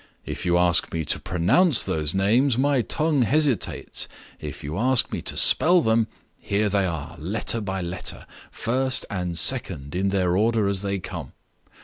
If you ask me to pronounce those names, my tongue hesitates; if you ask me to spell them, here they are, letter by letter, first and second in their order as they come.